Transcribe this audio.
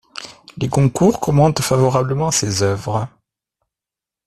Les Goncourt commentent favorablement ses œuvres.